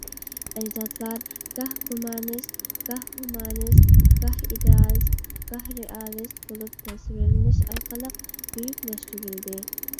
ئەجدادلار گاھ گۇمانىست، گاھ ھۇمانىست، گاھ ئىدېئالىست، گاھ رېئالىست بولۇپ تەسۋىرلىنىش ئارقىلىق بۈيۈكلەشتۈرۈلدى.